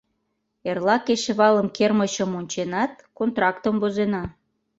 Эрла кечывалым кермычым онченат, контрактым возена.